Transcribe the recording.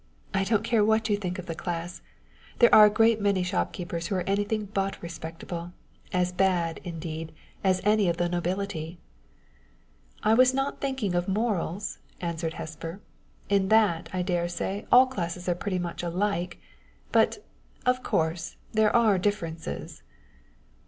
I don't care what you think of the class. There are a great many shopkeepers who are anything but respectable as bad, indeed, as any of the nobility." "I was not thinking of morals," answered Hesper. "In that, I dare say, all classes are pretty much alike. But, of course, there are differences."